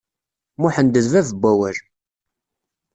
Muḥend d bab n wawal.